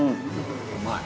うまい。